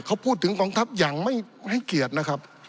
เขาพูดถึงกองทัพอย่างไม่ให้เกียรตินะครับ